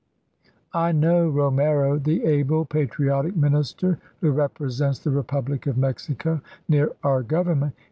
I know Romero, the able, patriotic minister who represents the Republic of Mexico near our Government.